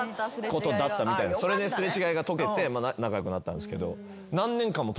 それで擦れ違いが解けて仲良くなったんですけど。